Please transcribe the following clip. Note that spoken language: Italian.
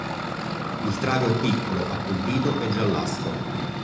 Il trago è piccolo, appuntito e giallastro.